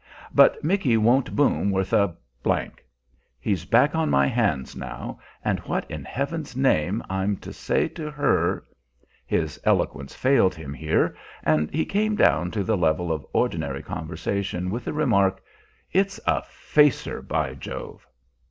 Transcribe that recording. But Micky won't boom worth a . He's back on my hands now, and what in Heaven's name I'm to say to her" His eloquence failed him here, and he came down to the level of ordinary conversation, with the remark, "It's a facer, by Jove!"